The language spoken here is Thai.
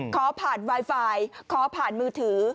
ขอผ่านไวไฟขอผ่านมือถือ